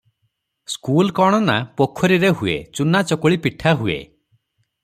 ସୁଲ କ’ଣ ନା, ପୋଖରୀରେ ହୁଏ, ଚୁନା ଚକୁଳି ପିଠା ହୁଏ ।